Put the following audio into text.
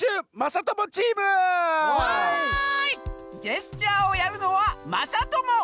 ジェスチャーをやるのはまさとも！